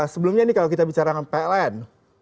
sebelumnya ini kalau kita bicara dengan pln